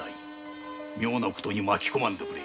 妙な事に巻きこまんでくれ。